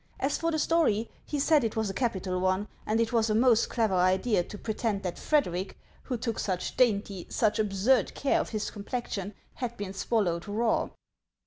As for the story, he said it was a capital one ; and it was a most clever idea to pretend that Frederic, who took such dainty, such absurd care of his complexion, had been swallowed raw.